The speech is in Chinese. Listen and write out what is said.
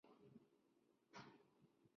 拉谢兹人口变化图示